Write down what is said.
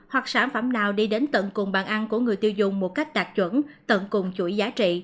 hoặc sản phẩm nào đi đến tận cùng bàn ăn của người tiêu dùng một cách đạt chuẩn tận cùng chuỗi giá trị